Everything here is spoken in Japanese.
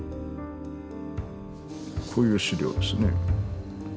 こういう資料ですね。